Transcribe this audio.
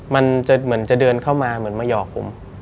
มันจะเหมือนจะเดินเข้ามาเหมือนมาหยอกผม